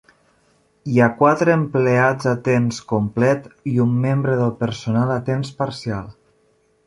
Hi ha quatre empleats a temps complet i un membre del personal a temps parcial.